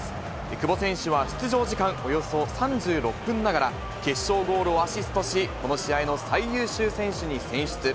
久保選手は出場時間およそ３６分ながら、決勝ゴールをアシストし、この試合の最優秀選手に選出。